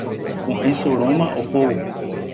ko'ẽsoróma ohóvo